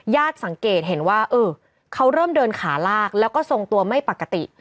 สังเกตเห็นว่าเออเขาเริ่มเดินขาลากแล้วก็ทรงตัวไม่ปกติ